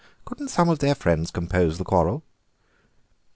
"Couldn't some of their friends compose the quarrel?"